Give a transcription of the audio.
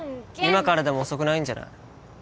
今からでも遅くないんじゃない？